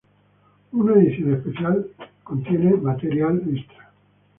Una edición especial, contiene material extra.